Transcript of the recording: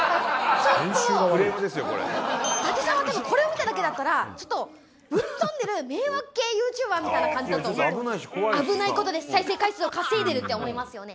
伊達さんはでもこれを見ただけだったらちょっとぶっ飛んでる迷惑系ＹｏｕＴｕｂｅｒみたいな感じだといやちょっと危ないし怖いしさ危ないことで再生回数を稼いでるって思いますよね